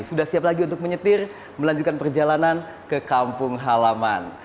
sudah siap lagi untuk menyetir melanjutkan perjalanan ke kampung halaman